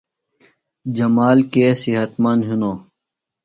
جمال کے صحت مند ہِنوۡ؟